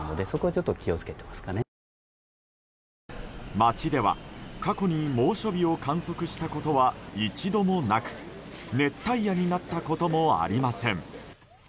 町では過去に、猛暑日を観測したことは一度もなく熱帯夜になったこともありません。